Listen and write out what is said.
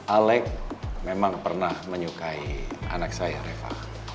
alec memang pernah menyukai anak saya reva